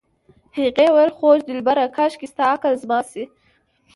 هغې وې خوږه دلبره کاشکې ستا عقل زما شي